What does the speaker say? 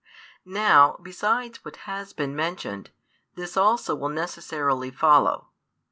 |432 Now, besides what has been mentioned, this also will necessarily follow.